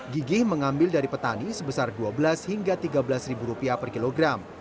gigih mengambil dari petani sebesar dua belas hingga tiga belas ribu rupiah per kilogram